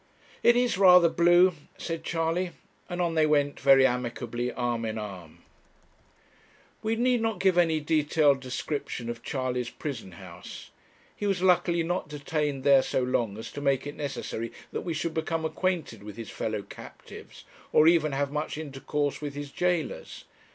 'It is rather blue,' said Charley; and on they went very amicably arm in arm. We need not give any detailed description of Charley's prison house. He was luckily not detained there so long as to make it necessary that we should become acquainted with his fellow captives, or even have much intercourse with his jailers.